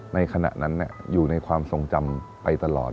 ในขณะนั้นอยู่ในความทรงจำไปตลอด